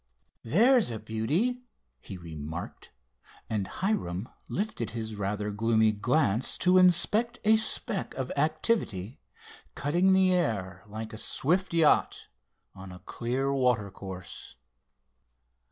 "There's a beauty," he remarked and Hiram lifted his rather gloomy glance to inspect a speck of activity cutting the air like a swift yacht on a clear water course.